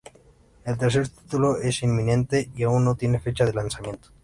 El tercer título es inminente y aún no tiene fecha de lanzamiento.